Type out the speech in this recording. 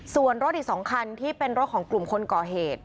ส่วนรถอีก๒คันที่เป็นรถของกลุ่มคนก่อเหตุ